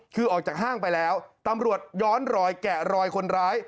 คือออกจากห้างไปแล้วตำรวจย้อนรอยแกะรอยคนร้าย